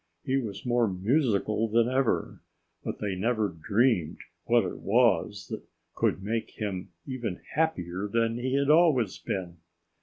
He was more musical than ever. But they never dreamed what it was that could make him even happier than he had always been.